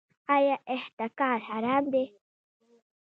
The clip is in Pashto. آیا احتکار حرام دی؟